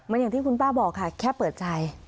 แล้วอย่างที่คุณป้าบอกแค่เปิดใจ